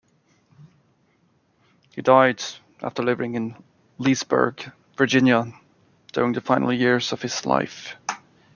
He died after living in Leesburg, Virginia during the final years of his life.